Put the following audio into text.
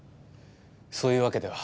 そういうわけでは。